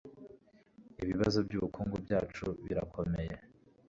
Ibibazo byubukungu byacu birakomeye.